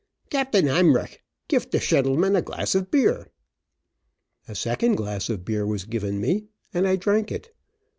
Capt. Hemrech, gif der shendleman a glass of beer." A second glass of beer was given me, and I drank it.